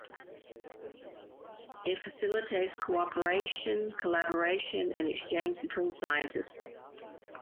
It facilitates cooperation, collaboration and exchange between scientists.